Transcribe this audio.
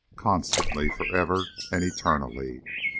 Constantly, forever, and eternally.